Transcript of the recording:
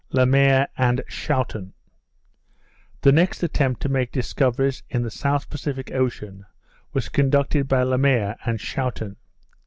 Le Maire and Schouten The next attempt to make discoveries in the South Pacific Ocean, was conducted by Le Maire and Schouten.